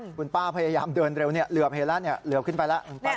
คุณป้าพยายามเดินเร็วเหลือเพแล้วเหลือขึ้นไปแล้ว